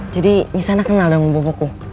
jadi nisana kenal dengan bopoku